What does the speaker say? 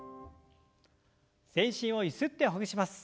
全身をゆすってほぐします。